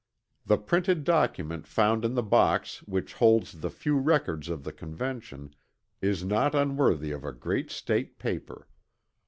The printed document found in the box which holds the few records of the Convention is not unworthy of a great state paper.